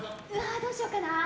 どうしようかな。